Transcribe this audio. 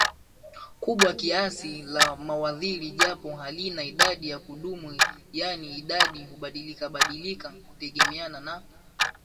kubwa kiasi la Mawaziri japo halina idadi ya kudumu yaani idadi hubadilikabadilika kutegemea na